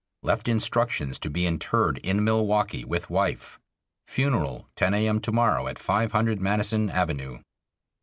Left instructions to be interred in Milwaukee with wife. Funeral 10 A. M. to morrow at 500 Madison Avenue.